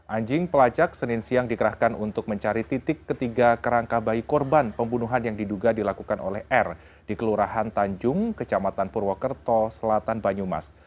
anjing pelacak senin siang dikerahkan untuk mencari titik ketiga kerangka bayi korban pembunuhan yang diduga dilakukan oleh r di kelurahan tanjung kecamatan purwokerto selatan banyumas